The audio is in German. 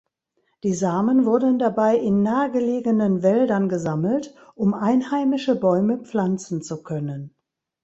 Die Samen wurden dabei in nahegelegenen Wäldern gesammelt, um einheimische Bäume pflanzen zu können.